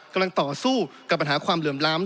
กำลังต่อสู้กับปัญหาความเหลื่อมล้ำ